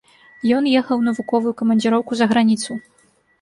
Ён ехаў у навуковую камандзіроўку за граніцу.